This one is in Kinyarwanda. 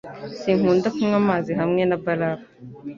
Sinkunda kunywa amazi hamwe na barafu